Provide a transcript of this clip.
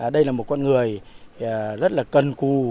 đây là một con người rất là cần cù